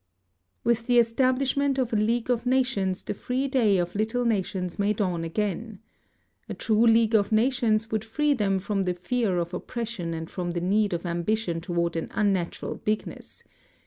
With the establishment of a League of Nations the free day of little nations may dawn again. A true League of Nations would free them from the fear of oppression and from the need of ambition toward an unnatural bigness.